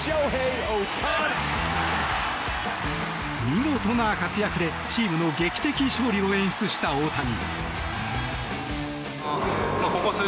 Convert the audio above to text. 見事な活躍で、チームの劇的勝利を演出した大谷。